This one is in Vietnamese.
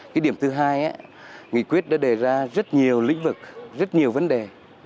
cái điểm thứ hai nghị quyết đã đề ra rất nhiều lĩnh vực rất nhiều vấn đề